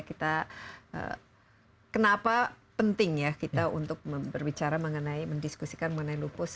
kita kenapa penting ya kita untuk berbicara mengenai mendiskusikan mengenai lupus